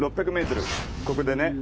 ここでね。